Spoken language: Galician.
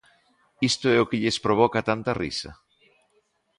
¿Isto é o que lles provoca tanta risa?